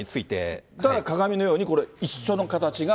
だから鏡のように、これ、一緒の形が。